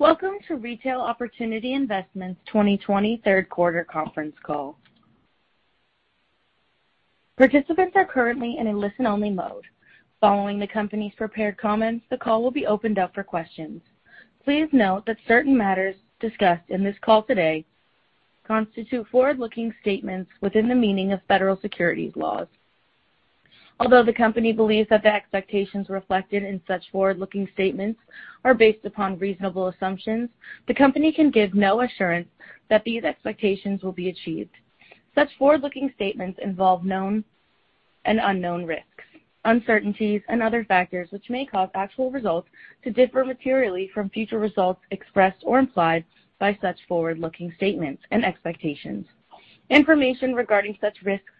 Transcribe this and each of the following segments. Welcome to Retail Opportunity Investments 2020 third quarter conference call. Participants are currently on listen only mode. Following the company's prepared comments presentation, the call will be opened up for questions. Please note that certain matters discussed in this call today constitute forward-looking statements within the meaning of federal securities laws. Although the company believes that the expectations reflected in such forward-looking statements are based upon reasonable assumptions, the company can give no assurance that these expectations will be achieved. Such forward-looking statements involve known and unknown risks, uncertainties, and other factors which may cause actual results to differ materially from future results expressed or implied by such forward-looking statements and expectations. Information regarding such risks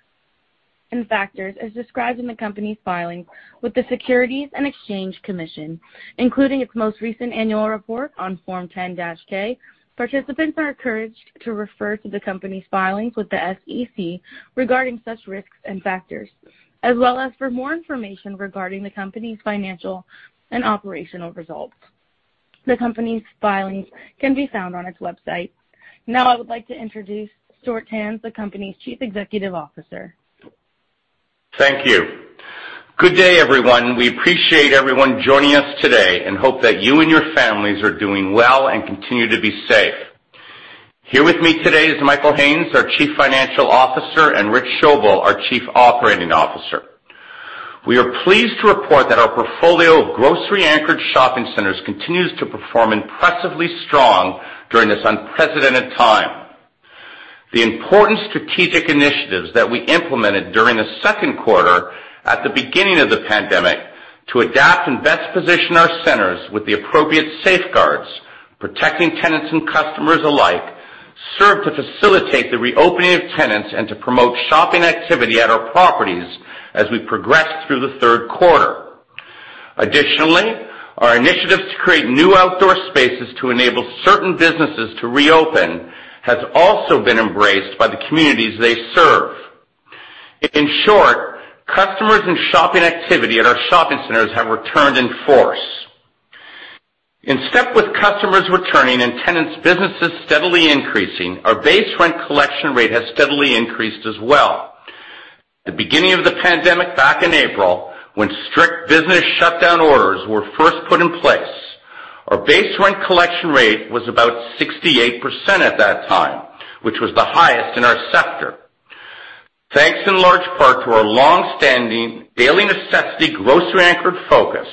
and factors as described in the company's filing with the Securities and Exchange Commission, including its most recent annual report on Form 10-K. Participants are encouraged to refer to the company's filings with the SEC regarding such risks and factors, as well as for more information regarding the company's financial and operational results. The company's filings can be found on its website. Now I would like to introduce Stuart Tanz, the company's Chief Executive Officer. Thank you. Good day, everyone. We appreciate everyone joining us today and hope that you and your families are doing well and continue to be safe. Here with me today is Michael Haines, our Chief Financial Officer, and Rich Schoebel, our Chief Operating Officer. We are pleased to report that our portfolio of grocery-anchored shopping centers continues to perform impressively strong during this unprecedented time. The important strategic initiatives that we implemented during the second quarter at the beginning of the pandemic to adapt and best position our centers with the appropriate safeguards, protecting tenants and customers alike, served to facilitate the reopening of tenants and to promote shopping activity at our properties as we progressed through the third quarter. Our initiatives to create new outdoor spaces to enable certain businesses to reopen has also been embraced by the communities they serve. In short, customers and shopping activity at our shopping centers have returned in force. In step with customers returning and tenants' businesses steadily increasing, our base rent collection rate has steadily increased as well. The beginning of the pandemic back in April, when strict business shutdown orders were first put in place, our base rent collection rate was about 68% at that time, which was the highest in our sector, thanks in large part to our long-standing daily necessity grocery-anchored focus.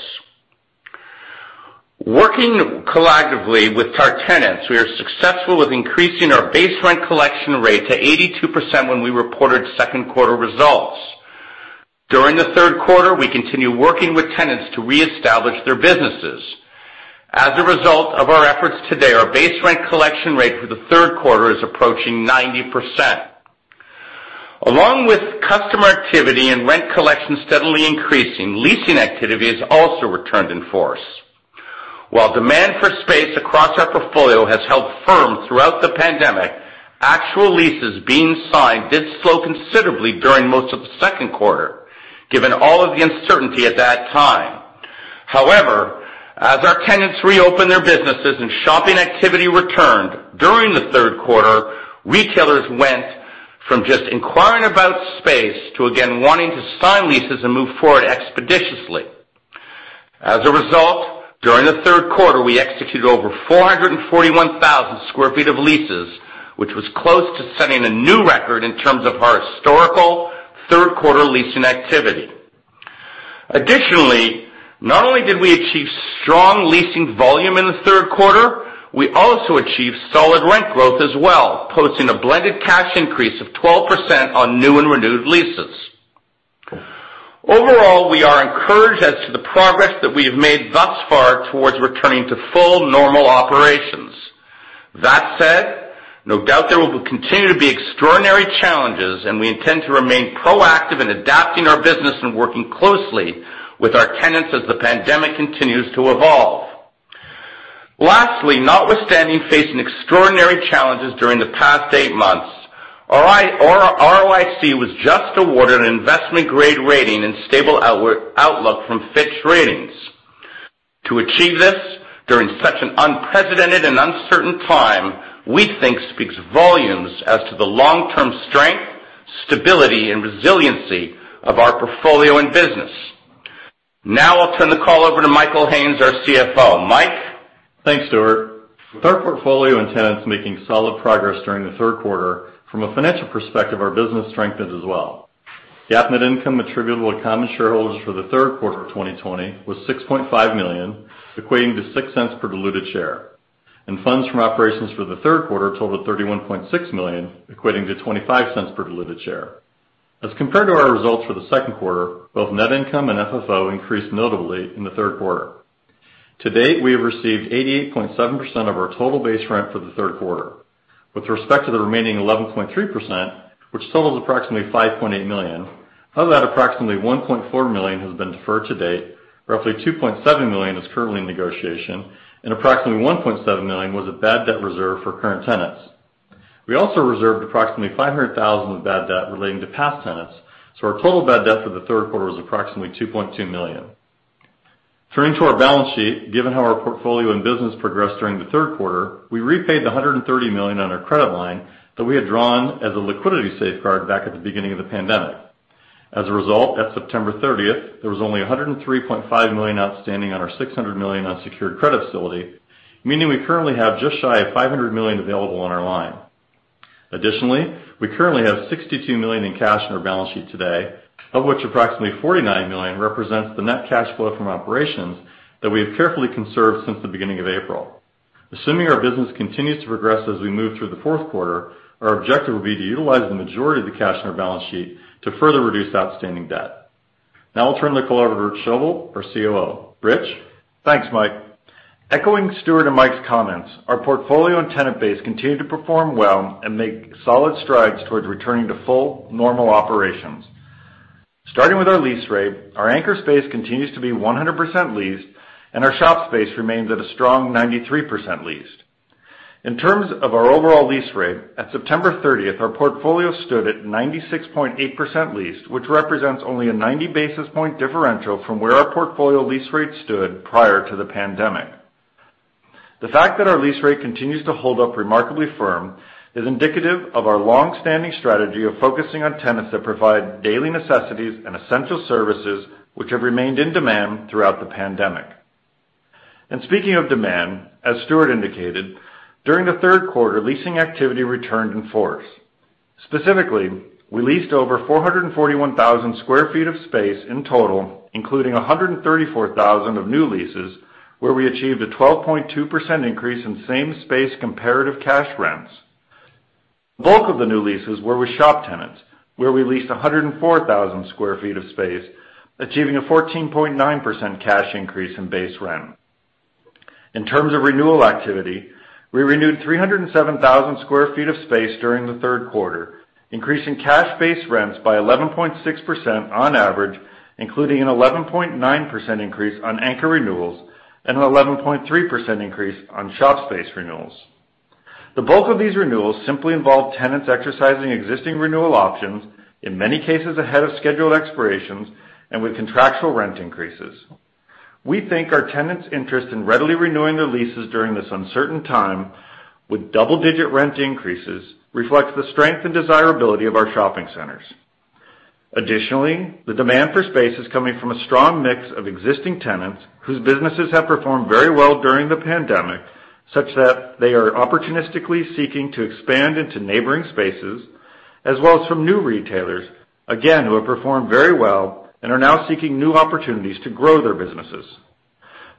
Working collectively with our tenants, we are successful with increasing our base rent collection rate to 82% when we reported second quarter results. During the third quarter, we continue working with tenants to reestablish their businesses. As a result of our efforts today, our base rent collection rate for the third quarter is approaching 90%. Along with customer activity and rent collection steadily increasing, leasing activity has also returned in force. While demand for space across our portfolio has held firm throughout the pandemic, actual leases being signed did slow considerably during most of the second quarter, given all of the uncertainty at that time. However, as our tenants reopened their businesses and shopping activity returned during the third quarter, retailers went from just inquiring about space to again wanting to sign leases and move forward expeditiously. As a result, during the third quarter, we executed over 441,000 square feet of leases, which was close to setting a new record in terms of our historical third quarter leasing activity. Additionally, not only did we achieve strong leasing volume in the third quarter, we also achieved solid rent growth as well, posting a blended cash increase of 12% on new and renewed leases. Overall, we are encouraged as to the progress that we have made thus far towards returning to full normal operations. That said, no doubt there will continue to be extraordinary challenges, and we intend to remain proactive in adapting our business and working closely with our tenants as the pandemic continues to evolve. Lastly, notwithstanding facing extraordinary challenges during the past eight months, ROIC was just awarded an investment grade rating and stable outlook from Fitch Ratings. To achieve this during such an unprecedented and uncertain time, we think speaks volumes as to the long-term strength, stability, and resiliency of our portfolio and business. Now I'll turn the call over to Michael Haines, our CFO. Mike? Thanks, Stuart. With our portfolio and tenants making solid progress during the third quarter, from a financial perspective, our business strengthened as well. GAAP net income attributable to common shareholders for the third quarter of 2020 was $6.5 million, equating to $0.06 per diluted share. Funds from operations for the third quarter totaled $31.6 million, equating to $0.25 per diluted share. As compared to our results for the second quarter, both net income and FFO increased notably in the third quarter. To date, we have received 88.7% of our total base rent for the third quarter. With respect to the remaining 11.3%, which totals approximately $5.8 million, of that, approximately $1.4 million has been deferred to date, roughly $2.7 million is currently in negotiation, and approximately $1.7 million was a bad debt reserve for current tenants. We also reserved approximately $500,000 of bad debt relating to past tenants, our total bad debt for the third quarter was approximately $2.2 million. Turning to our balance sheet, given how our portfolio and business progressed during the third quarter, we repaid the $130 million on our credit line that we had drawn as a liquidity safeguard back at the beginning of the pandemic. As a result, at September 30th, there was only $103.5 million outstanding on our $600 million unsecured credit facility, meaning we currently have just shy of $500 million available on our line. Additionally, we currently have $62 million in cash on our balance sheet today, of which approximately $49 million represents the net cash flow from operations that we have carefully conserved since the beginning of April. Assuming our business continues to progress as we move through the fourth quarter, our objective will be to utilize the majority of the cash on our balance sheet to further reduce outstanding debt. Now I'll turn the call over to Rich Schoebel, our COO. Rich? Thanks, Mike. Echoing Stuart and Mike's comments, our portfolio and tenant base continued to perform well and make solid strides towards returning to full normal operations. Starting with our lease rate, our anchor space continues to be 100% leased, and our shop space remains at a strong 93% leased. In terms of our overall lease rate, at September 30th, our portfolio stood at 96.8% leased, which represents only a 90 basis point differential from where our portfolio lease rate stood prior to the pandemic. The fact that our lease rate continues to hold up remarkably firm is indicative of our long-standing strategy of focusing on tenants that provide daily necessities and essential services, which have remained in demand throughout the pandemic. Speaking of demand, as Stuart indicated, during the third quarter, leasing activity returned in force. Specifically, we leased over 441,000 sq ft of space in total, including 134,000 of new leases, where we achieved a 12.2% increase in same space comparative cash rents. The bulk of the new leases were with shop tenants, where we leased 104,000 sq ft of space, achieving a 14.9% cash increase in base rent. In terms of renewal activity, we renewed 307,000 sq ft of space during the third quarter, increasing cash base rents by 11.6% on average, including an 11.9% increase on anchor renewals and an 11.3% increase on shop space renewals. The bulk of these renewals simply involved tenants exercising existing renewal options, in many cases ahead of scheduled expirations and with contractual rent increases. We think our tenants' interest in readily renewing their leases during this uncertain time with double-digit rent increases reflects the strength and desirability of our shopping centers. Additionally, the demand for space is coming from a strong mix of existing tenants whose businesses have performed very well during the pandemic, such that they are opportunistically seeking to expand into neighboring spaces as well as from new retailers, again, who have performed very well and are now seeking new opportunities to grow their businesses.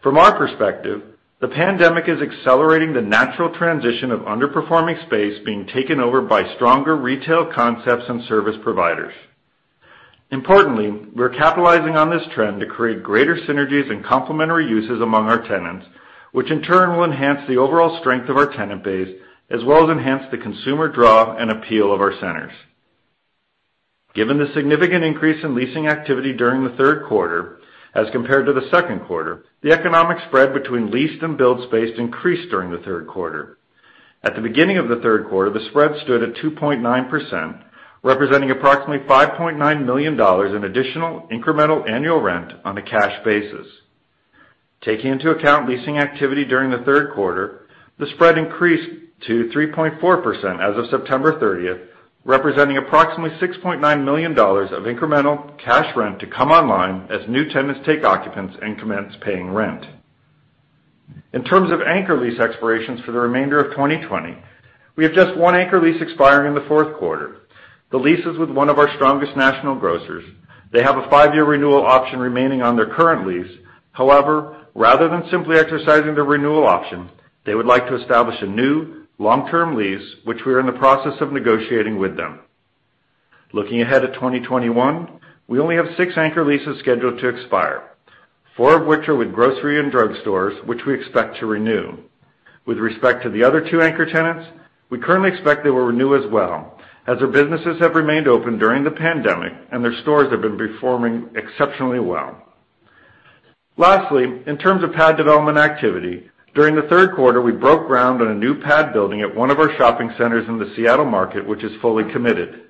From our perspective, the pandemic is accelerating the natural transition of underperforming space being taken over by stronger retail concepts and service providers. Importantly, we're capitalizing on this trend to create greater synergies and complementary uses among our tenants, which in turn will enhance the overall strength of our tenant base as well as enhance the consumer draw and appeal of our centers. Given the significant increase in leasing activity during the third quarter as compared to the second quarter, the economic spread between leased and build space increased during the third quarter. At the beginning of the third quarter, the spread stood at 2.9%, representing approximately $5.9 million in additional incremental annual rent on a cash basis. Taking into account leasing activity during the third quarter, the spread increased to 3.4% as of September 30th, representing approximately $6.9 million of incremental cash rent to come online as new tenants take occupants and commence paying rent. In terms of anchor lease expirations for the remainder of 2020, we have just one anchor lease expiring in the fourth quarter. The lease is with one of our strongest national grocers. They have a five-year renewal option remaining on their current lease. Rather than simply exercising the renewal option, they would like to establish a new long-term lease, which we are in the process of negotiating with them. Looking ahead at 2021, we only have six anchor leases scheduled to expire, four of which are with grocery and drug stores, which we expect to renew. With respect to the other two anchor tenants, we currently expect they will renew as well, as their businesses have remained open during the pandemic and their stores have been performing exceptionally well. Lastly, in terms of pad development activity, during the third quarter, we broke ground on a new pad building at one of our shopping centers in the Seattle market, which is fully committed.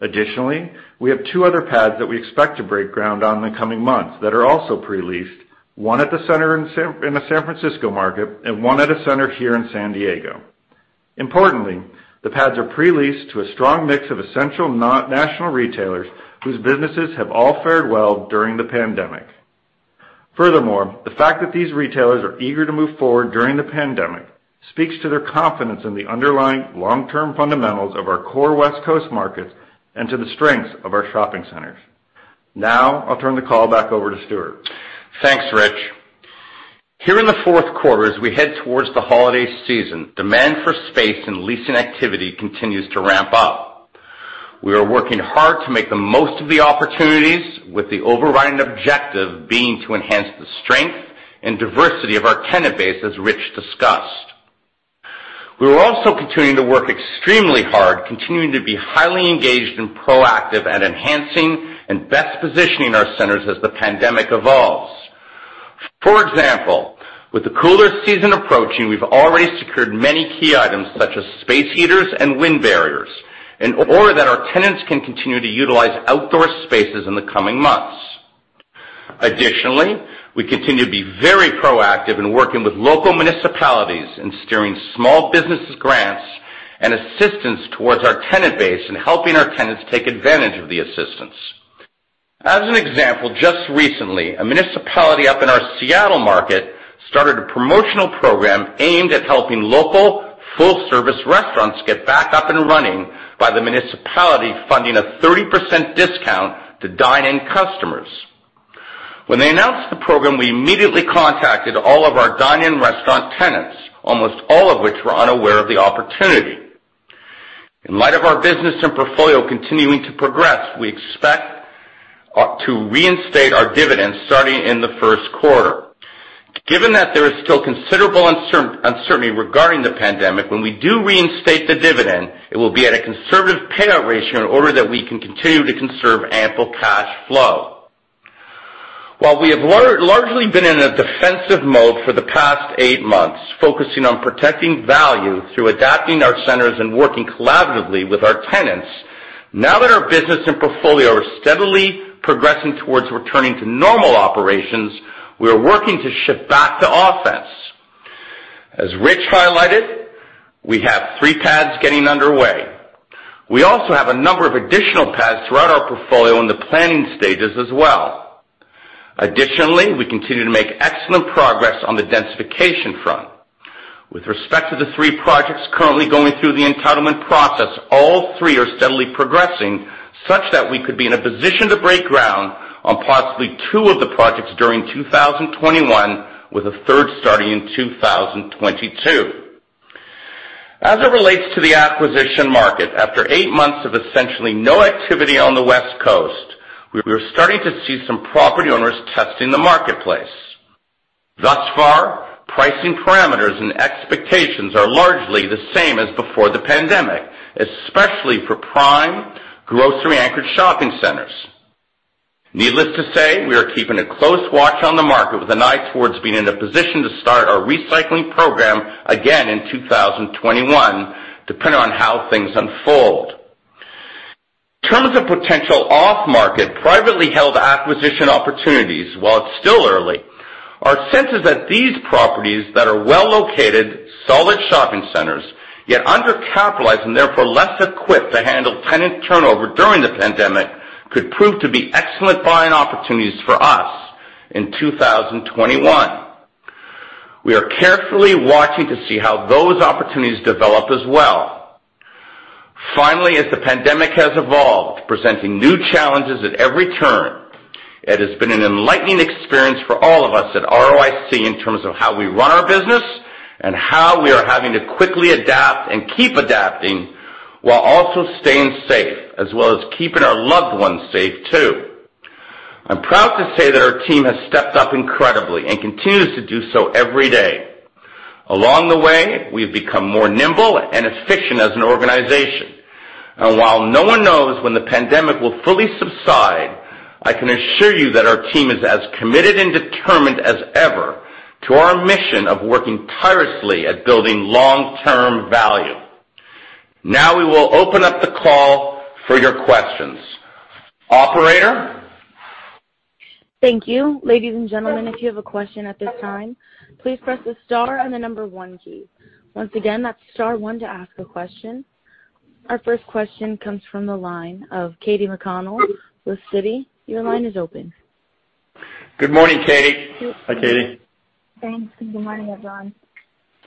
Additionally, we have two other pads that we expect to break ground on in the coming months that are also pre-leased, one at the center in the San Francisco market and one at a center here in San Diego. Importantly, the pads are pre-leased to a strong mix of essential national retailers whose businesses have all fared well during the pandemic. Furthermore, the fact that these retailers are eager to move forward during the pandemic speaks to their confidence in the underlying long-term fundamentals of our core West Coast markets and to the strengths of our shopping centers. Now, I'll turn the call back over to Stuart. Thanks, Rich. Here in the fourth quarter, as we head towards the holiday season, demand for space and leasing activity continues to ramp up. We are working hard to make the most of the opportunities, with the overriding objective being to enhance the strength and diversity of our tenant base, as Rich discussed. We are also continuing to work extremely hard, continuing to be highly engaged and proactive at enhancing and best positioning our centers as the pandemic evolves. For example, with the cooler season approaching, we've already secured many key items such as space heaters and wind barriers in order that our tenants can continue to utilize outdoor spaces in the coming months. Additionally, we continue to be very proactive in working with local municipalities in steering small businesses grants and assistance towards our tenant base and helping our tenants take advantage of the assistance. As an example, just recently, a municipality up in our Seattle market started a promotional program aimed at helping local full-service restaurants get back up and running by the municipality funding a 30% discount to dine-in customers. When they announced the program, we immediately contacted all of our dine-in restaurant tenants, almost all of which were unaware of the opportunity. In light of our business and portfolio continuing to progress, we expect to reinstate our dividends starting in the first quarter. Given that there is still considerable uncertainty regarding the pandemic, when we do reinstate the dividend, it will be at a conservative payout ratio in order that we can continue to conserve ample cash flow. While we have largely been in a defensive mode for the past eight months, focusing on protecting value through adapting our centers and working collaboratively with our tenants, now that our business and portfolio are steadily progressing towards returning to normal operations, we are working to shift back to offense. As Rich highlighted, we have three pads getting underway. We also have a number of additional pads throughout our portfolio in the planning stages as well. Additionally, we continue to make excellent progress on the densification front. With respect to the three projects currently going through the entitlement process, all three are steadily progressing such that we could be in a position to break ground on possibly two of the projects during 2021, with a third starting in 2022. As it relates to the acquisition market, after eight months of essentially no activity on the West Coast, we are starting to see some property owners testing the marketplace. Thus far, pricing parameters and expectations are largely the same as before the pandemic, especially for prime grocery-anchored shopping centers. Needless to say, we are keeping a close watch on the market with an eye towards being in a position to start our recycling program again in 2021, depending on how things unfold. In terms of potential off-market, privately held acquisition opportunities, while it's still early, our sense is that these properties that are well-located, solid shopping centers, yet undercapitalized and therefore less equipped to handle tenant turnover during the pandemic, could prove to be excellent buying opportunities for us in 2021. We are carefully watching to see how those opportunities develop as well. Finally, as the pandemic has evolved, presenting new challenges at every turn, it has been an enlightening experience for all of us at ROIC in terms of how we run our business and how we are having to quickly adapt and keep adapting, while also staying safe, as well as keeping our loved ones safe too. I'm proud to say that our team has stepped up incredibly and continues to do so every day. Along the way, we've become more nimble and efficient as an organization. While no one knows when the pandemic will fully subside, I can assure you that our team is as committed and determined as ever to our mission of working tirelessly at building long-term value. We will open up the call for your questions. Operator? Thank you. Ladies and gentlemen, if you have a question at this time, please press the star and the number one key. Once again, that's star one to ask a question. Our first question comes from the line of Katy McConnell with Citi. Your line is open. Good morning, Katy. Hi, Katy. Thanks. Good morning, everyone.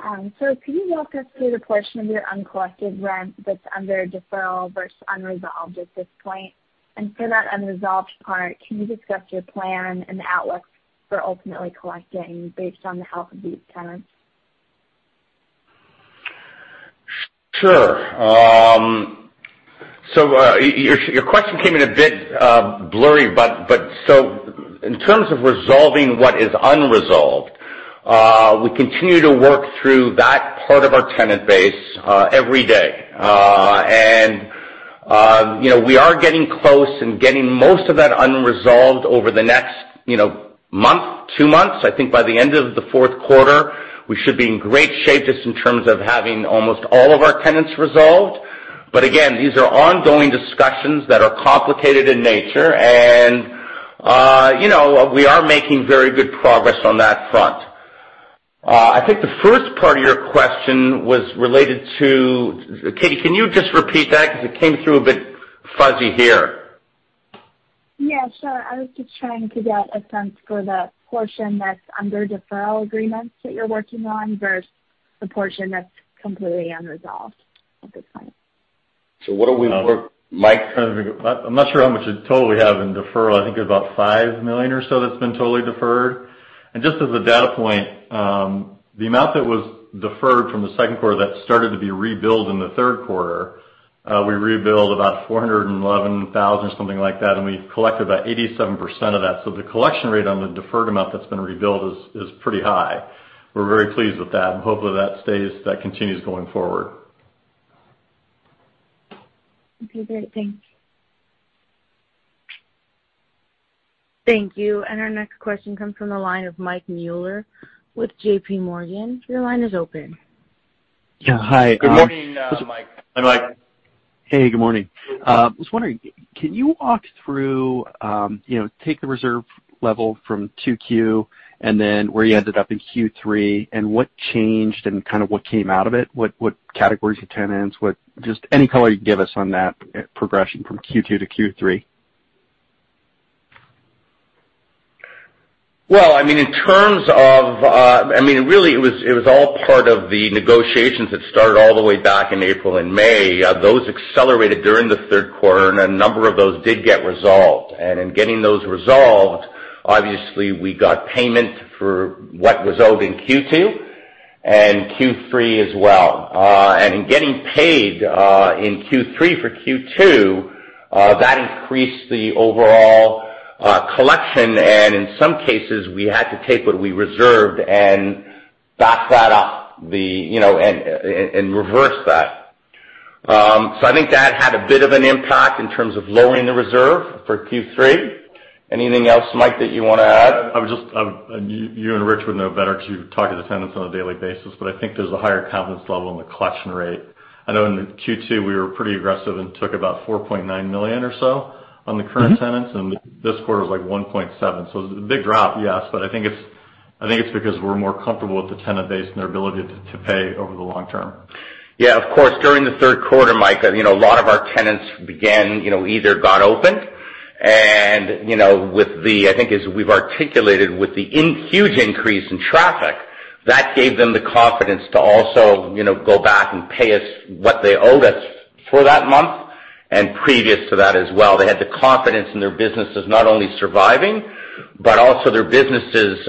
Can you walk us through the portion of your uncollected rent that's under deferral versus unresolved at this point? For that unresolved part, can you discuss your plan and the outlook for ultimately collecting based on the health of these tenants? Sure. Your question came in a bit blurry. In terms of resolving what is unresolved, we continue to work through that part of our tenant base every day. We are getting close and getting most of that unresolved over the next month, two months. I think by the end of the fourth quarter, we should be in great shape just in terms of having almost all of our tenants resolved. Again, these are ongoing discussions that are complicated in nature, and we are making very good progress on that front. I think the first part of your question was related to Katy, can you just repeat that? Because it came through a bit fuzzy here. Yeah, sure. I was just trying to get a sense for the portion that's under deferral agreements that you're working on versus the portion that's completely unresolved at this point. What are we, Mike? I'm not sure how much in total we have in deferral. I think about $5 million or so that's been totally deferred. Just as a data point, the amount that was deferred from the second quarter that started to be rebilled in the third quarter, we rebilled about $411,000, something like that, and we collected about 87% of that. The collection rate on the deferred amount that's been rebilled is pretty high. We're very pleased with that, and hopefully, that continues going forward. Okay, great. Thanks. Thank you. Our next question comes from the line of Mike Mueller with JPMorgan. Your line is open. Yeah. Hi. Good morning, Mike. Hey, good morning. I was wondering, can you walk through, take the reserve level from 2Q and then where you ended up in Q3, and what changed and what came out of it? What categories of tenants, just any color you can give us on that progression from Q2 to Q3. Well, really it was all part of the negotiations that started all the way back in April and May. Those accelerated during the third quarter, and a number of those did get resolved. In getting those resolved, obviously we got payment for what was owed in Q2 and Q3 as well. In getting paid in Q3 for Q3, that increased the overall collection, and in some cases, we had to take what we reserved and back that up and reverse that. I think that had a bit of an impact in terms of lowering the reserve for Q3. Anything else, Mike, that you want to add? You and Rich would know better because you talk to the tenants on a daily basis, but I think there's a higher confidence level in the collection rate. I know in Q2 we were pretty aggressive and took about $4.9 million or so on the current tenants, and this quarter was like $1.7. It's a big drop, yes, but I think it's because we're more comfortable with the tenant base and their ability to pay over the long term. Yeah, of course, during the third quarter, Mike, a lot of our tenants either got opened and I think as we've articulated with the huge increase in traffic, that gave them the confidence to also go back and pay us what they owed us for that month and previous to that as well. They had the confidence in their businesses not only surviving, but also their businesses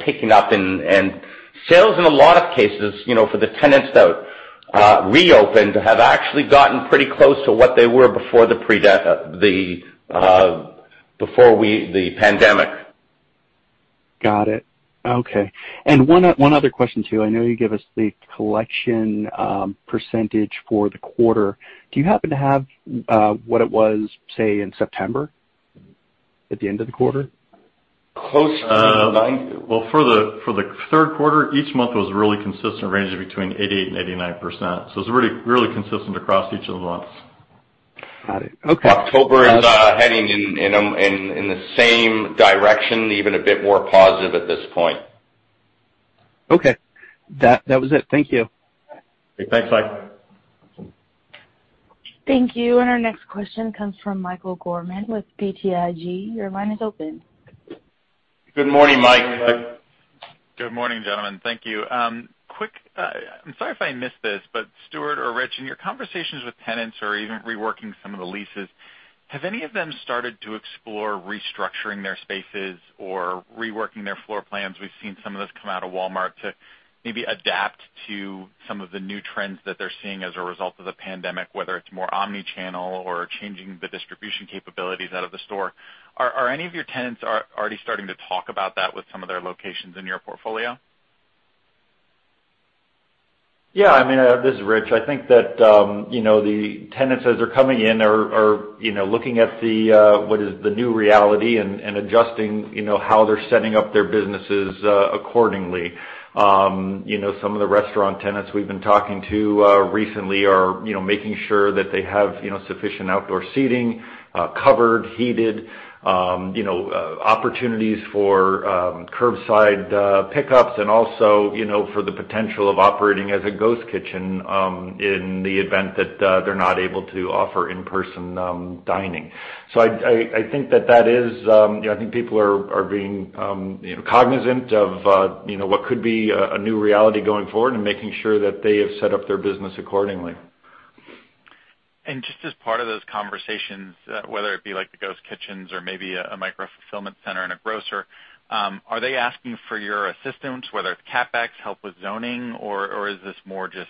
picking up and sales in a lot of cases, for the tenants that reopened, have actually gotten pretty close to what they were before the pandemic. Got it. Okay. One other question, too. I know you gave us the collection percentage for the quarter. Do you happen to have what it was, say, in September at the end of the quarter? Close to the 90%. Well, for the third quarter, each month was really consistent, ranging between 88% and 89%. It was really consistent across each of the months. Got it. Okay. October is heading in the same direction, even a bit more positive at this point. Okay. That was it. Thank you. Thanks, Mike. Thank you. Our next question comes from Michael Gorman with BTIG. Your line is open. Good morning, Mike. Good morning, gentlemen. Thank you. I'm sorry if I missed this, but Stuart or Rich, in your conversations with tenants or even reworking some of the leases, have any of them started to explore restructuring their spaces or reworking their floor plans? We've seen some of this come out of Walmart to maybe adapt to some of the new trends that they're seeing as a result of the pandemic, whether it's more omni-channel or changing the distribution capabilities out of the store. Are any of your tenants already starting to talk about that with some of their locations in your portfolio? Yeah, this is Rich. I think that the tenants as they're coming in are looking at what is the new reality and adjusting how they're setting up their businesses accordingly. Some of the restaurant tenants we've been talking to recently are making sure that they have sufficient outdoor seating, covered, heated, opportunities for curbside pickups and also for the potential of operating as a ghost kitchen in the event that they're not able to offer in-person dining. I think people are being cognizant of what could be a new reality going forward and making sure that they have set up their business accordingly. Just as part of those conversations, whether it be like the ghost kitchens or maybe a micro-fulfillment center and a grocer, are they asking for your assistance, whether it's CapEx, help with zoning, or is this more just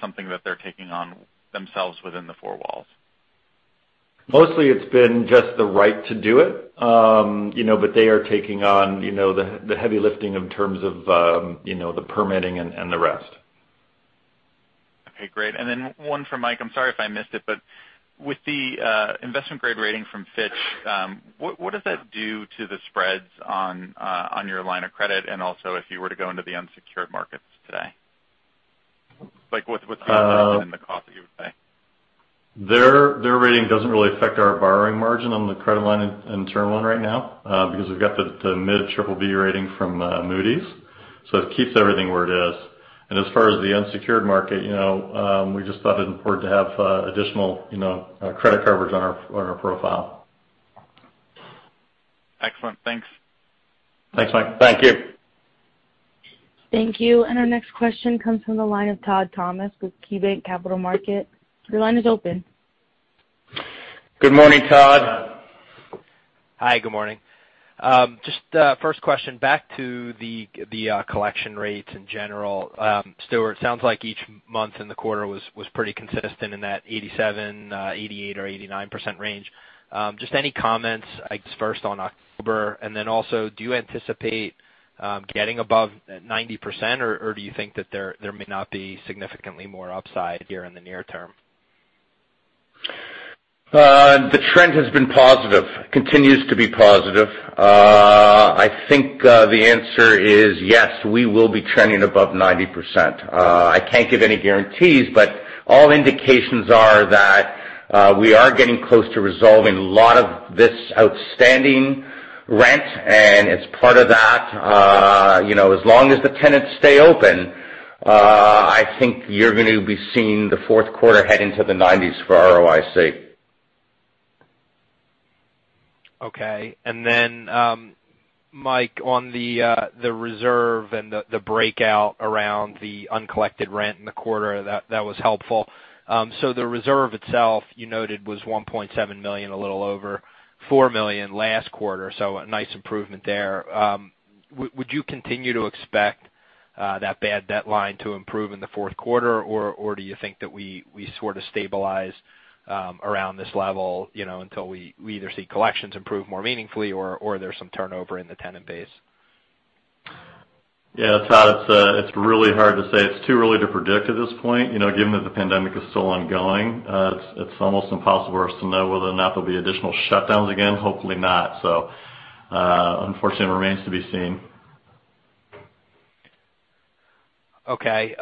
something that they're taking on themselves within the four walls? Mostly it's been just the right to do it. They are taking on the heavy lifting in terms of the permitting and the rest. Okay, great. One for Michael, I'm sorry if I missed it, but with the investment grade rating from Fitch Ratings, what does that do to the spreads on your line of credit and also if you were to go into the unsecured markets today? What's the difference in the cost you would pay? Their rating doesn't really affect our borrowing margin on the credit line and term loan right now because we've got the mid-triple B rating from Moody's. It keeps everything where it is. As far as the unsecured market, we just thought it important to have additional credit coverage on our profile. Excellent. Thanks. Thanks, Mike. Thank you. Thank you. Our next question comes from the line of Todd Thomas with KeyBanc Capital Markets. Your line is open. Good morning, Todd. Hi, good morning. Just first question back to the collection rates in general. Stuart, sounds like each month in the quarter was pretty consistent in that 87%, 88% or 89% range. Just any comments, I guess first on October, and then also, do you anticipate getting above 90%, or do you think that there may not be significantly more upside here in the near term? The trend has been positive, continues to be positive. I think the answer is yes, we will be trending above 90%. I can't give any guarantees, but all indications are that we are getting close to resolving a lot of this outstanding rent. As part of that, as long as the tenants stay open, I think you're going to be seeing the fourth quarter head into the 90%s for ROIC. Okay. Then, Mike, on the reserve and the breakout around the uncollected rent in the quarter, that was helpful. The reserve itself, you noted, was $1.7 million, a little over $4 million last quarter. A nice improvement there. Would you continue to expect that bad debt line to improve in the fourth quarter? Do you think that we sort of stabilize around this level, until we either see collections improve more meaningfully or there's some turnover in the tenant base? Yeah. Todd, it's really hard to say. It's too early to predict at this point. Given that the pandemic is still ongoing, it's almost impossible for us to know whether or not there'll be additional shutdowns again. Hopefully not. Unfortunately, it remains to be seen. Okay.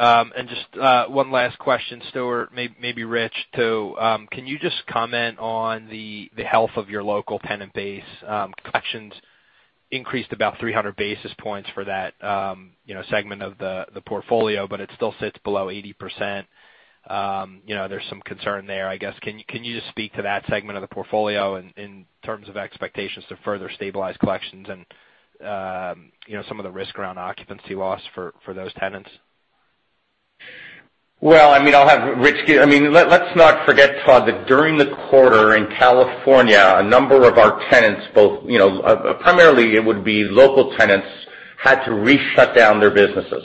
Just one last question, Stuart, maybe Rich, too. Can you just comment on the health of your local tenant base? Collections increased about 300 basis points for that segment of the portfolio, but it still sits below 80%. There's some concern there, I guess. Can you just speak to that segment of the portfolio in terms of expectations to further stabilize collections and some of the risk around occupancy loss for those tenants? Well, I mean, I'll have Rich give Let's not forget, Todd, that during the quarter in California, a number of our tenants, primarily it would be local tenants, had to re-shut down their businesses.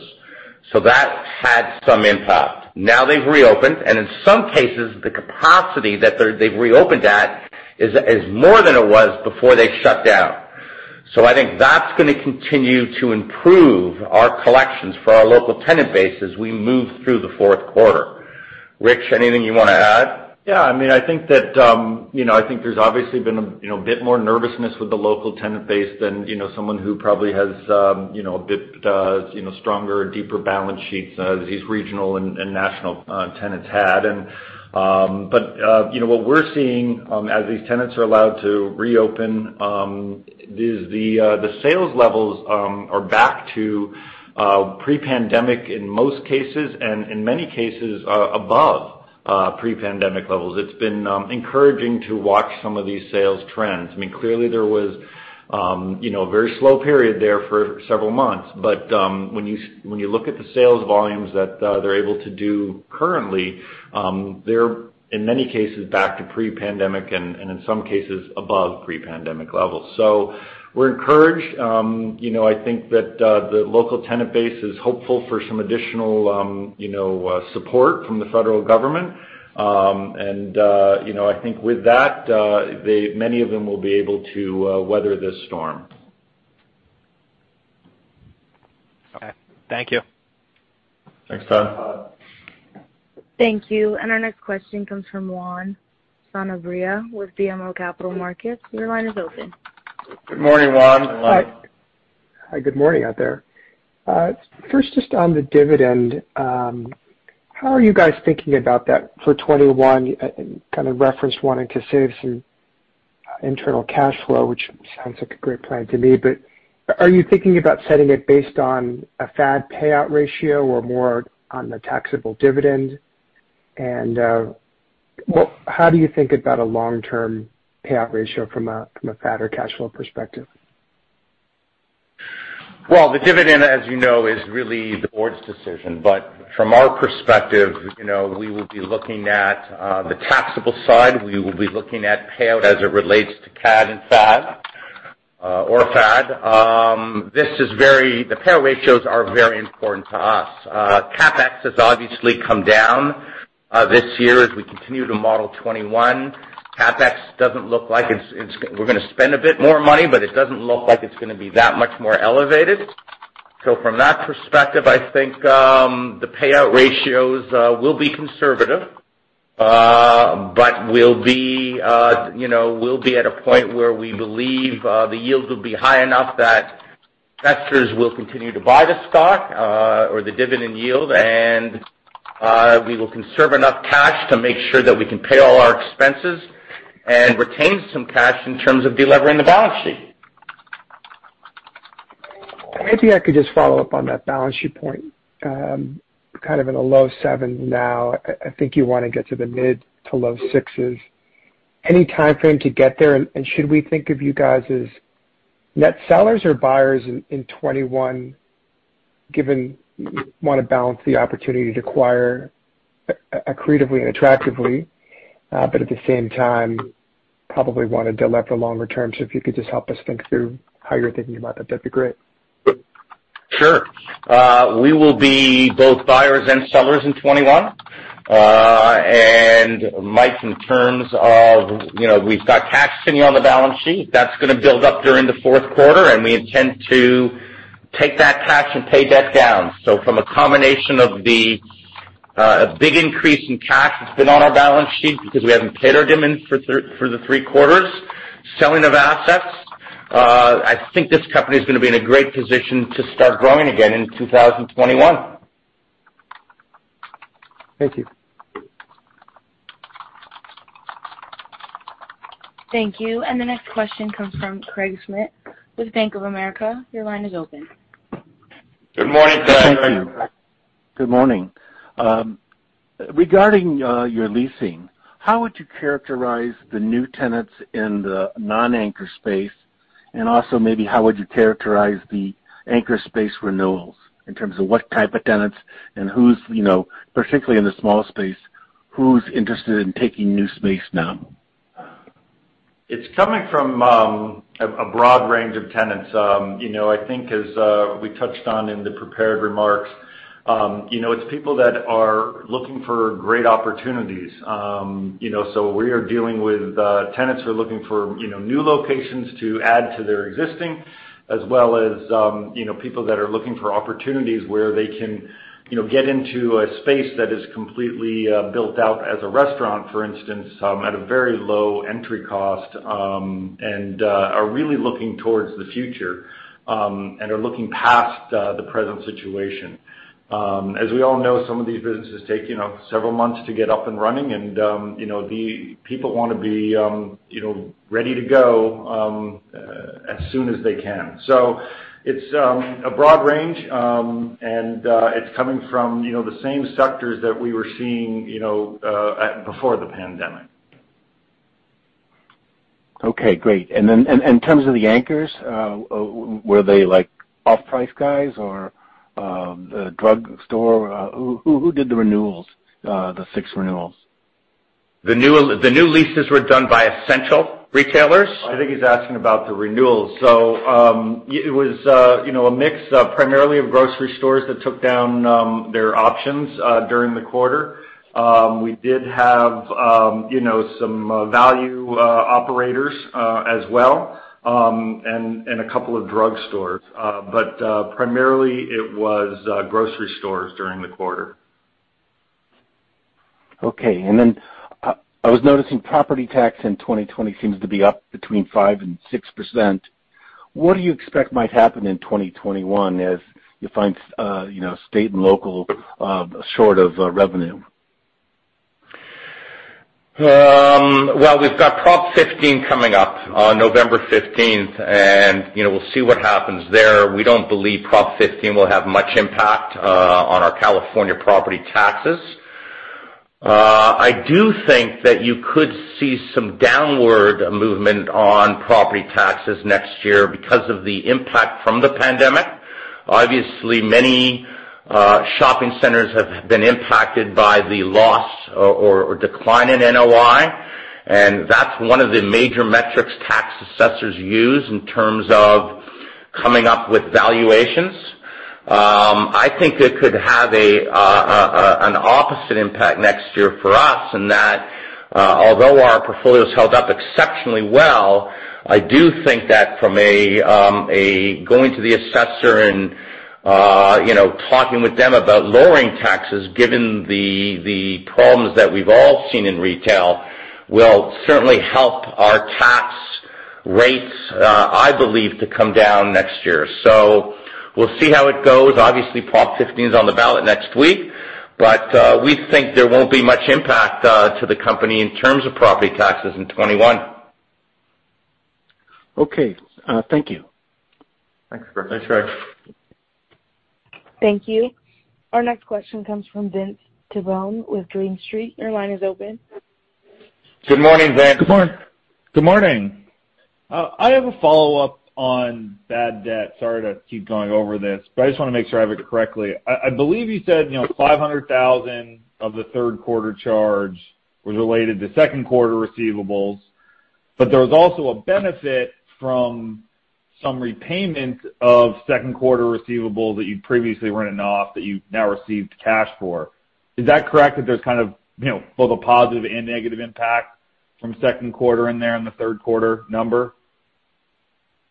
That had some impact. Now they've reopened, and in some cases, the capacity that they've reopened at is more than it was before they shut down. I think that's going to continue to improve our collections for our local tenant base as we move through the fourth quarter. Rich, anything you want to add? Yeah. I think there's obviously been a bit more nervousness with the local tenant base than someone who probably has a bit stronger, deeper balance sheets as these regional and national tenants had. What we're seeing as these tenants are allowed to reopen is the sales levels are back to pre-pandemic in most cases, and in many cases above pre-pandemic levels. It's been encouraging to watch some of these sales trends. Clearly there was a very slow period there for several months. When you look at the sales volumes that they're able to do currently, they're, in many cases, back to pre-pandemic, and in some cases above pre-pandemic levels. We're encouraged. I think that the local tenant base is hopeful for some additional support from the federal government. I think with that, many of them will be able to weather this storm. Okay. Thank you. Thanks, Todd. Thank you. Our next question comes from Juan Sanabria with BMO Capital Markets. Your line is open. Good morning, Juan. Juan. Hi, good morning out there. First, just on the dividend, how are you guys thinking about that for 2021? You kind of referenced wanting to save some internal cash flow, which sounds like a great plan to me, but are you thinking about setting it based on a FAD payout ratio or more on the taxable dividend? How do you think about a long-term payout ratio from a FAD or cash flow perspective? Well, the dividend, as you know, is really the board's decision. From our perspective, we will be looking at the taxable side. We will be looking at payout as it relates to CAD and FAD or FAD. The payout ratios are very important to us. CapEx has obviously come down this year as we continue to model 2021. CapEx doesn't look like we're going to spend a bit more money, but it doesn't look like it's going to be that much more elevated. From that perspective, I think the payout ratios will be conservative. We'll be at a point where we believe the yields will be high enough that investors will continue to buy the stock or the dividend yield. We will conserve enough cash to make sure that we can pay all our expenses and retain some cash in terms of delevering the balance sheet. Maybe I could just follow up on that balance sheet point, kind of in the low seven now. I think you want to get to the mid to low sixs. Any timeframe to get there, and should we think of you guys as net sellers or buyers in 2021, given you want to balance the opportunity to acquire accretively and attractively, but at the same time, probably want to delever longer term? If you could just help us think through how you're thinking about that'd be great. Sure. We will be both buyers and sellers in 2021. Mike, we've got cash sitting on the balance sheet. That's going to build up during the fourth quarter. Take that cash and pay debt down. From a combination of the big increase in cash that's been on our balance sheet because we haven't paid our dividend for the three quarters, selling of assets, I think this company is going to be in a great position to start growing again in 2021. Thank you. Thank you. The next question comes from Craig Schmidt with Bank of America. Your line is open. Good morning, Craig. Good morning. Regarding your leasing, how would you characterize the new tenants in the non-anchor space? Also maybe how would you characterize the anchor space renewals in terms of what type of tenants and who's, particularly in the small space, who's interested in taking new space now? It's coming from a broad range of tenants. I think as we touched on in the prepared remarks, it's people that are looking for great opportunities. We are dealing with tenants who are looking for new locations to add to their existing, as well as people that are looking for opportunities where they can get into a space that is completely built out as a restaurant, for instance, at a very low entry cost, and are really looking towards the future, and are looking past the present situation. As we all know, some of these businesses take several months to get up and running and the people want to be ready to go as soon as they can. It's a broad range, and it's coming from the same sectors that we were seeing before the pandemic. Okay, great. Then in terms of the anchors, were they off-price guys or the drug store? Who did the renewals, the six renewals? The new leases were done by essential retailers. I think he's asking about the renewals. It was a mix primarily of grocery stores that took down their options during the quarter. We did have some value operators as well, and a couple of drug stores. Primarily it was grocery stores during the quarter. Okay. I was noticing property tax in 2020 seems to be up between 5% and 6%. What do you expect might happen in 2021 as you find state and local short of revenue? Well, we've got Prop 15 coming up on November 15th, and we'll see what happens there. We don't believe Prop 15 will have much impact on our California property taxes. I do think that you could see some downward movement on property taxes next year because of the impact from the pandemic. Obviously, many shopping centers have been impacted by the loss or decline in NOI, and that's one of the major metrics tax assessors use in terms of coming up with valuations. I think it could have an opposite impact next year for us in that although our portfolio's held up exceptionally well, I do think that from going to the assessor and talking with them about lowering taxes given the problems that we've all seen in retail will certainly help our tax rates, I believe, to come down next year. We'll see how it goes. Obviously, Prop 15 is on the ballot next week. We think there won't be much impact to the company in terms of property taxes in 2021. Okay. Thank you. Thanks, Craig. Thanks, Craig. Thank you. Our next question comes from Vince Tibone with Green Street. Your line is open. Good morning, Vince. Good morning. Good morning. I have a follow-up on bad debt. Sorry to keep going over this, but I just want to make sure I have it correctly. I believe you said, $500,000 of the third quarter charge was related to second quarter receivables, but there was also a benefit from some repayment of second quarter receivables that you previously written off that you've now received cash for. Is that correct, that there's kind of both a positive and negative impact from second quarter in there and the third quarter number?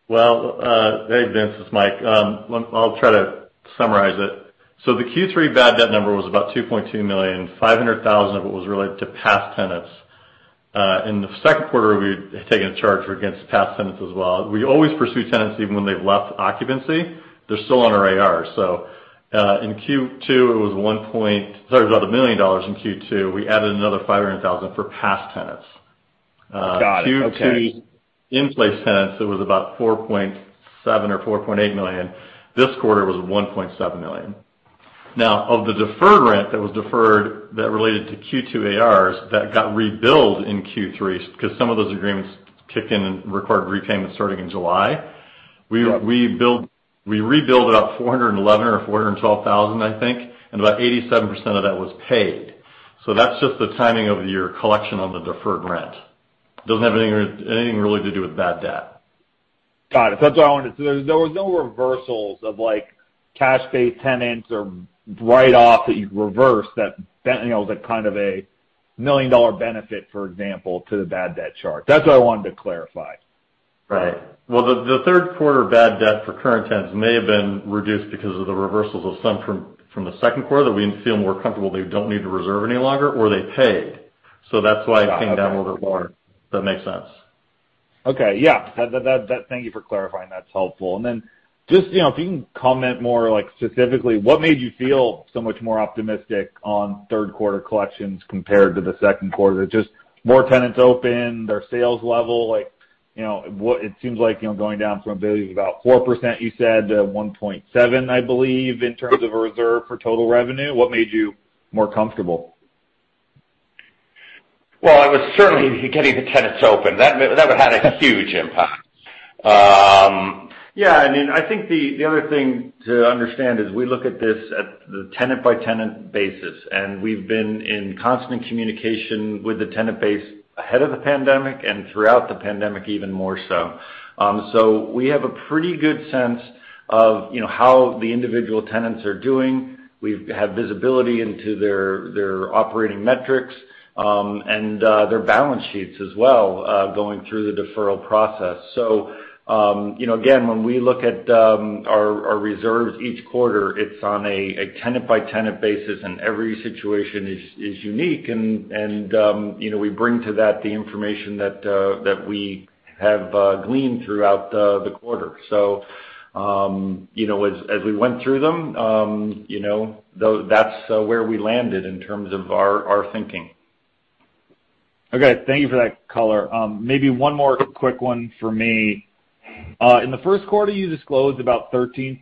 Well, hey, Vince, it's Mike. I'll try to summarize it. The Q3 bad debt number was about $2.2 million, $500,000 of it was related to past tenants. In the second quarter, we had taken a charge against past tenants as well. We always pursue tenants even when they've left occupancy. They're still on our AR. In Q2, it was about $1 million in Q2. We added another $500,000 for past tenants. Got it. Okay. Q2 in-place tenants, it was about $4.7 million or $4.8 million. This quarter was $1.7 million. Now, of the deferred rent that was deferred that related to Q2 ARs that got rebilled in Q3 because some of those agreements kicked in and required repayment starting in July. Right. We rebilled about $411,000 or $412,000, I think, and about 87% of that was paid. That's just the timing of your collection on the deferred rent. Doesn't have anything really to do with bad debt. Got it. That's what I wanted. There was no reversals of cash base tenants or write off that you reverse that rent, the kind of a $1 million benefit, for example, to the bad debt charge. That's what I wanted to clarify. Well, the third quarter bad debt for current tenants may have been reduced because of the reversals of some from the second quarter that we feel more comfortable they don't need to reserve any longer, or they paid. That's why it came down a little more. Does that make sense? Okay. Yeah. Thank you for clarifying. That's helpful. Just, if you can comment more specifically, what made you feel so much more optimistic on third quarter collections compared to the second quarter, just more tenants open, their sales level? It seems like, going down from I believe about 4%, you said, to 1.7%, I believe, in terms of a reserve for total revenue. What made you more comfortable? Well, it was certainly getting the tenants open. That one had a huge impact. Yeah. I think the other thing to understand is we look at this at the tenant-by-tenant basis, and we've been in constant communication with the tenant base ahead of the pandemic and throughout the pandemic even more so. We have a pretty good sense of how the individual tenants are doing. We've had visibility into their operating metrics, and their balance sheets as well, going through the deferral process. Again, when we look at our reserves each quarter, it's on a tenant-by-tenant basis, and every situation is unique, and we bring to that the information that we have gleaned throughout the quarter. As we went through them, that's where we landed in terms of our thinking. Okay. Thank you for that color. Maybe one more quick one for me. In the first quarter, you disclosed about 13%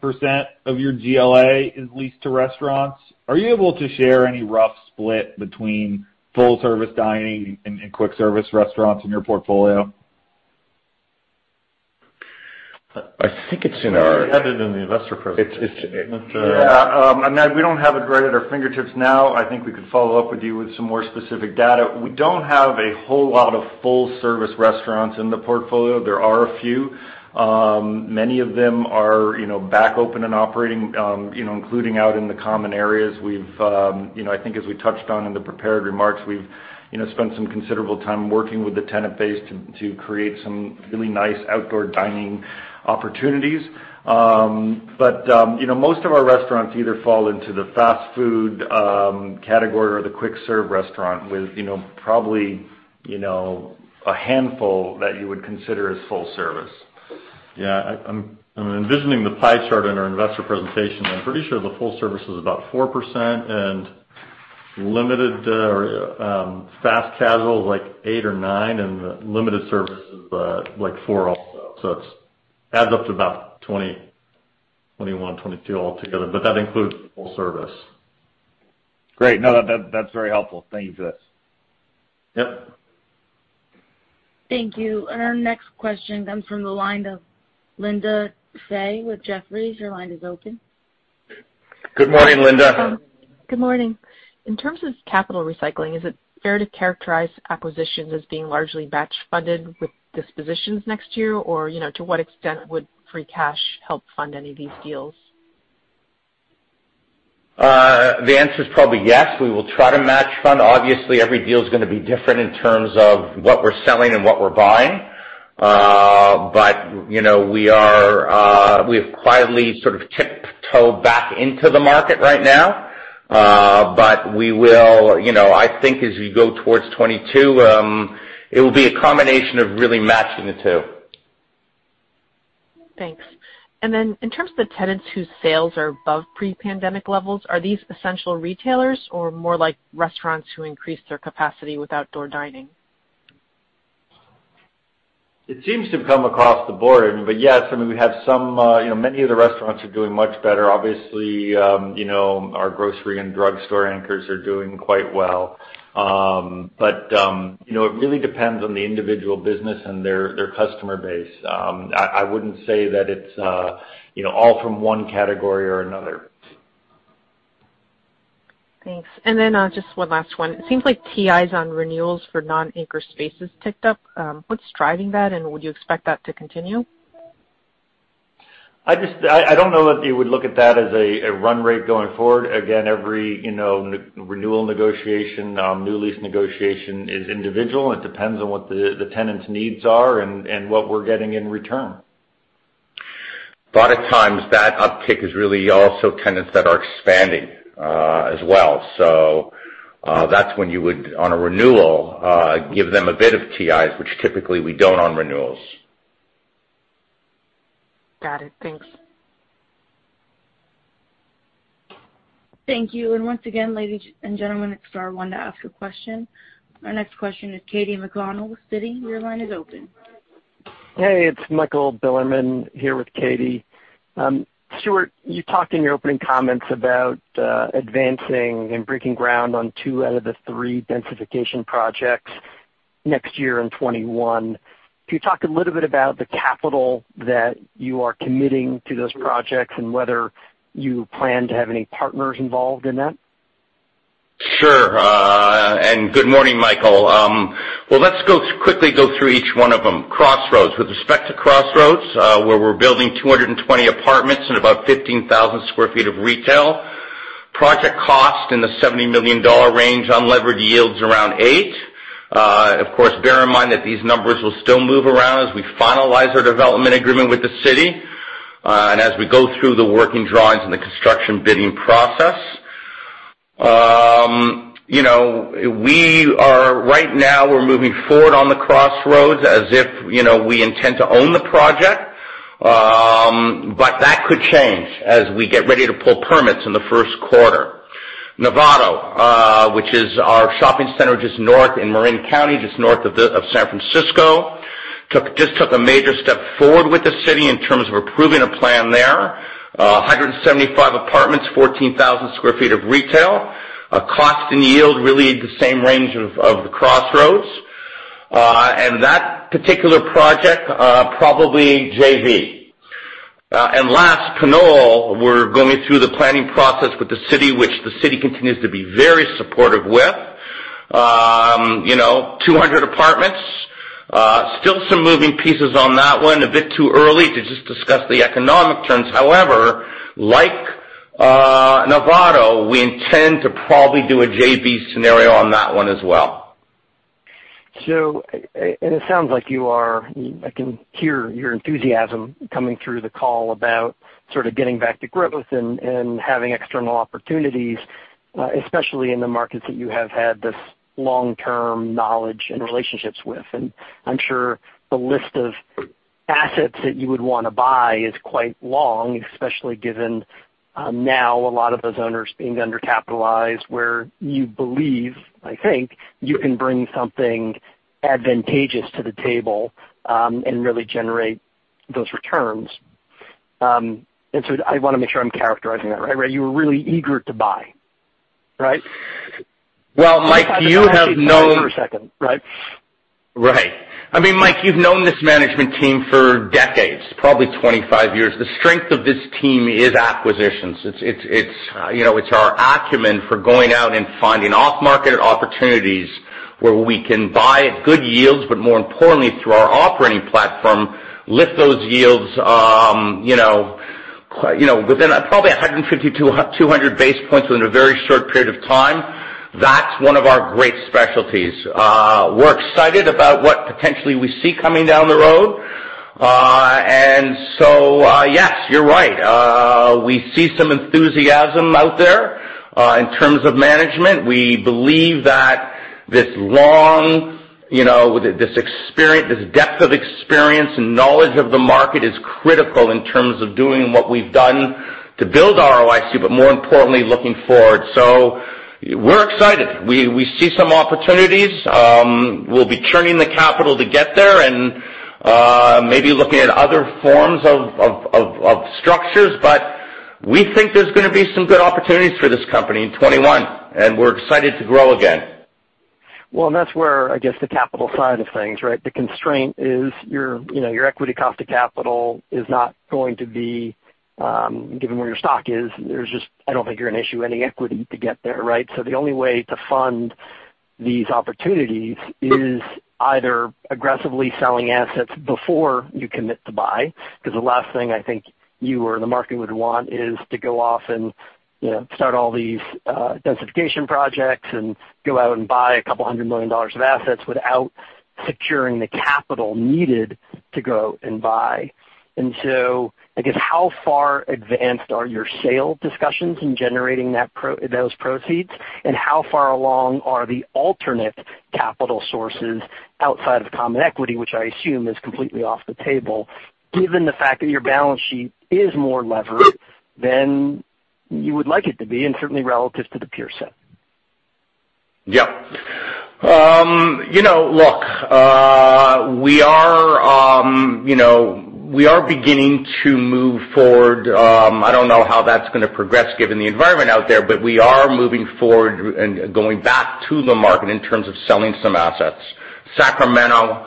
of your GLA is leased to restaurants. Are you able to share any rough split between full-service dining and quick-service restaurants in your portfolio? We had it in the investor presentation. Yeah. Matt, we don't have it right at our fingertips now. I think we could follow up with you with some more specific data. We don't have a whole lot of full-service restaurants in the portfolio. There are a few. Many of them are back open and operating, including out in the common areas. I think as we touched on in the prepared remarks, we've spent some considerable time working with the tenant base to create some really nice outdoor dining opportunities. Most of our restaurants either fall into the fast food category or the quick-serve restaurant with probably a handful that you would consider as full service. Yeah. I'm envisioning the pie chart in our investor presentation. I'm pretty sure the full service is about 4% and limited or fast casual is like 8% or 9%, and the limited service is like 4% also. It adds up to about 20, 21, 22 altogether. That includes full service. Great. No, that's very helpful. Thank you for that. Yep. Thank you. Our next question comes from the line of Linda Tsai with Jefferies. Your line is open. Good morning, Linda. Good morning. In terms of capital recycling, is it fair to characterize acquisitions as being largely batch funded with dispositions next year? To what extent would free cash help fund any of these deals? The answer is probably yes. We will try to match fund. Obviously, every deal is going to be different in terms of what we're selling and what we're buying. We've quietly sort of tiptoed back into the market right now. I think as we go towards 2022, it will be a combination of really matching the two. Thanks. In terms of the tenants whose sales are above pre-pandemic levels, are these essential retailers or more like restaurants who increased their capacity with outdoor dining? It seems to come across the board. Yes, many of the restaurants are doing much better. Obviously, our grocery and drugstore anchors are doing quite well. It really depends on the individual business and their customer base. I wouldn't say that it's all from one category or another. Thanks. Just one last one. It seems like TIs on renewals for non-anchor spaces ticked up. What's driving that, and would you expect that to continue? I don't know if you would look at that as a run rate going forward. Every renewal negotiation, new lease negotiation is individual, and it depends on what the tenant's needs are and what we're getting in return. A lot of times that uptick is really also tenants that are expanding as well. That's when you would, on a renewal, give them a bit of TIs, which typically we don't on renewals. Got it. Thanks. Thank you. Once again, ladies and gentlemen, if you are wanting to ask a question. Our next question is Katy McConnell with Citi. Your line is open. Hey, it's Michael Bilerman here with Katy. Stuart, you talked in your opening comments about advancing and breaking ground on two out of the three densification projects next year in 2021. Can you talk a little bit about the capital that you are committing to those projects and whether you plan to have any partners involved in that? Sure. Good morning, Michael. Well, let's quickly go through each one of them. Crossroads. With respect to Crossroads, where we're building 220 apartments and about 15,000 sq ft of retail. Project cost in the $70 million range, unlevered yields around 8%. Of course, bear in mind that these numbers will still move around as we finalize our development agreement with the city and as we go through the working drawings and the construction bidding process. Right now, we're moving forward on the Crossroads as if we intend to own the project. That could change as we get ready to pull permits in the first quarter. Novato which is our shopping center just north in Marin County, just north of San Francisco. Just took a major step forward with the city in terms of approving a plan there. 175 apartments, 14,000 sq ft of retail. Cost and yield, really the same range of the Crossroads. That particular project, probably JV. Last, Knoll. We're going through the planning process with the city, which the city continues to be very supportive with. 200 apartments. Still some moving pieces on that one. A bit too early to just discuss the economic terms. However, like Novato, we intend to probably do a JV scenario on that one as well. It sounds like I can hear your enthusiasm coming through the call about sort of getting back to growth and having external opportunities, especially in the markets that you have had this long-term knowledge and relationships with. I'm sure the list of assets that you would want to buy is quite long, especially given now a lot of those owners being undercapitalized, where you believe, I think, you can bring something advantageous to the table, and really generate those returns. I want to make sure I'm characterizing that right. You were really eager to buy, right? Well, Mike, you have known- For a second, right? Right. Mike, you've known this management team for decades, probably 25 years. The strength of this team is acquisitions. It's our acumen for going out and finding off-market opportunities where we can buy at good yields, but more importantly, through our operating platform, lift those yields within probably 150-200 basis points within a very short period of time. That's one of our great specialties. We're excited about what potentially we see coming down the road. Yes, you're right. We see some enthusiasm out there. In terms of management, we believe that this depth of experience and knowledge of the market is critical in terms of doing what we've done to build our ROIC, but more importantly, looking forward. We're excited. We see some opportunities. We'll be churning the capital to get there and maybe looking at other forms of structures. We think there's going to be some good opportunities for this company in 2021, and we're excited to grow again. Well, that's where, I guess, the capital side of things, right? The constraint is your equity cost to capital is not going to be, given where your stock is, I don't think you're going to issue any equity to get there. Right? The only way to fund these opportunities is either aggressively selling assets before you commit to buy, because the last thing I think you or the market would want is to go off and start all these densification projects and go out and buy a couple hundred million dollars of assets without securing the capital needed to go and buy. I guess, how far advanced are your sales discussions in generating those proceeds, and how far along are the alternate capital sources outside of common equity, which I assume is completely off the table, given the fact that your balance sheet is more levered than you would like it to be, and certainly relative to the peer set? Yeah. Look, we are beginning to move forward. I don't know how that's going to progress given the environment out there, but we are moving forward and going back to the market in terms of selling some assets. Sacramento,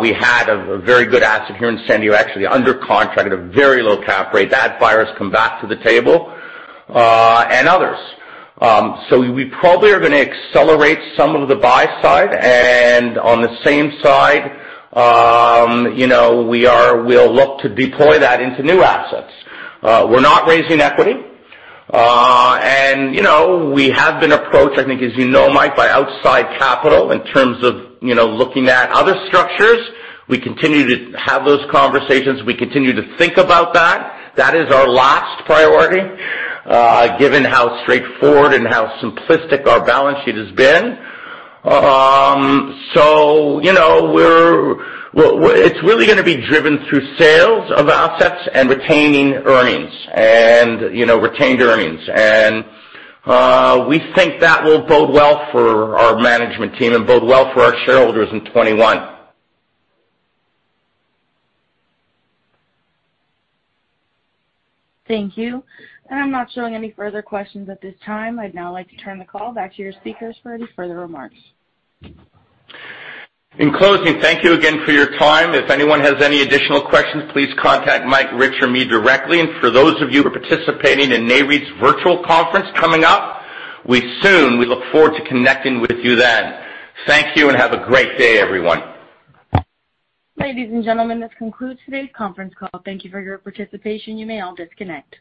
we had a very good asset here in San Diego, actually, under contract at a very low cap rate. That buyer's come back to the table, and others. We probably are going to accelerate some of the buy side, and on the same side, we'll look to deploy that into new assets. We're not raising equity. We have been approached, I think as you know, Mike, by outside capital in terms of looking at other structures. We continue to have those conversations. We continue to think about that. That is our last priority, given how straightforward and how simplistic our balance sheet has been. It's really going to be driven through sales of assets and retaining earnings. We think that will bode well for our management team and bode well for our shareholders in 2021. Thank you. I'm not showing any further questions at this time. I'd now like to turn the call back to your speakers for any further remarks. In closing, thank you again for your time. If anyone has any additional questions, please contact Michael, Rich, or me directly. For those of you who are participating in Nareit's virtual conference coming up, we look forward to connecting with you then. Thank you and have a great day, everyone. Ladies and gentlemen, this concludes today's conference call. Thank you for your participation. You may all disconnect.